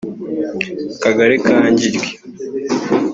Akagari ka Ngiryi